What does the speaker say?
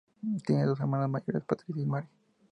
Tiene dos hermanas mayores, Patricia y Mary.